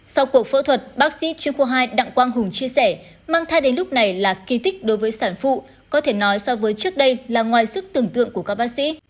sau cuộc phẫu thuật bác sĩ chuyên khoa hai đặng quang hùng chia sẻ mang thai đến lúc này là kỳ tích đối với sản phụ có thể nói so với trước đây là ngoài sức tưởng tượng của các bác sĩ